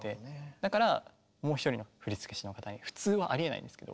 だからもう一人の振付師の方に普通はありえないんですけど。